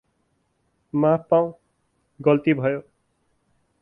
माफ पाउँ, गल्ती भयो।